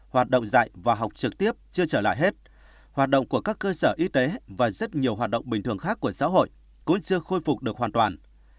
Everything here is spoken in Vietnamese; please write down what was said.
hoạt động dạy và học trực tiếp chưa trở lại hết hoạt động của các cơ sở y tế và rất nhiều hoạt động bình thường khác của xã hội cũng chưa khôi phục được hoàn toàn